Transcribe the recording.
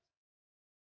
kenapa banget sih ini